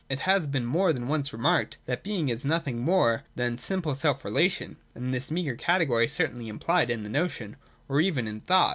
It has been more than once remarked that being is nothing more than simple self relation, and this meagre category is certainly implied in the notion, or even in thought.